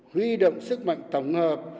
huy động sức mạnh tổng hợp